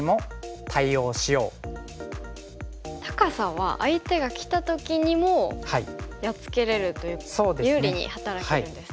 高さは相手がきた時にもやっつけれるという有利に働くんですね。